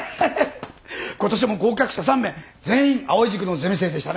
今年も合格者３名全員藍井塾のゼミ生でしたね。